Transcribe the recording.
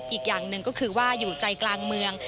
อีกอย่างหนึ่งอยู่ใจกลางเมือง